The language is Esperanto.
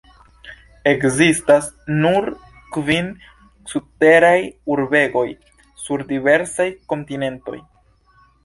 Ekzistas nur kvin subteraj urbegoj, sur diversaj kontinentoj.